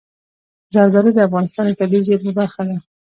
زردالو د افغانستان د طبیعي زیرمو برخه ده.